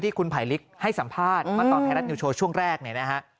ที่คุณไขลิกให้สัมภาษณ์ว่าแทรศนิวโชว์ช่วงแรกนะนะฮะ